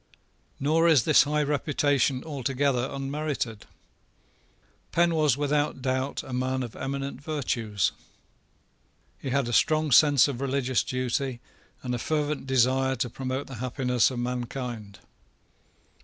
Nor is this high reputation altogether unmerited. Penn was without doubt a man of eminent virtues. He had a strong sense of religious duty and a fervent desire to promote the happiness of mankind.